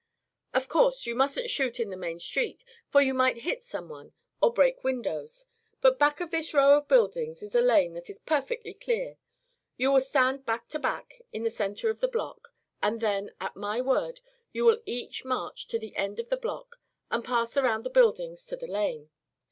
"Of course you mustn't shoot in the main street, for you might hit some one, or break windows; but back of this row of buildings is a lane that is perfectly clear. You will stand back to back in the center of the block and then, at my word, you will each march to the end of the block and pass around the buildings to the lane.